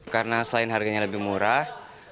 karena selain harganya lebih murah